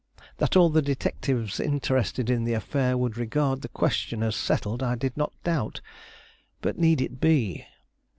That all the detectives interested in the affair would regard the question as settled, I did not doubt; but need it be?